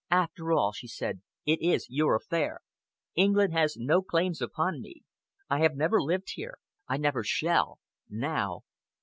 "After all," she said, "it is your affair. England has no claims upon me. I have never lived here, I never shall now!